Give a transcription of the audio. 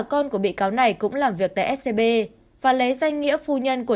con của bị cáo này cũng làm việc tại scb và lấy danh nghĩa phu nhân của